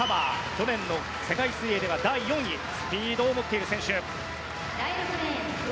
去年の世界水泳では第４位スピードを持っている選手。